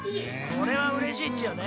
これはうれしいっちよね。